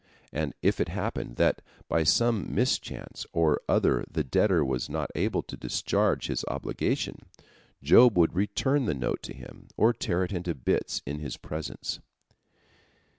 And if it happened that by some mischance or other the debtor was not able to discharge his obligation, Job would return the note to him, or tear it into bits in his presence.